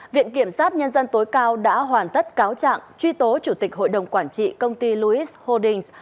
viện kiểm sát nhân dân tối cao đã hoàn tất cáo trạng truy tố chủ tịch hội đồng quản trị công ty louis holdings